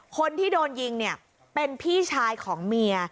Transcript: คนที่โดนยิงเนี่ยเป็นพี่ชายของเมีย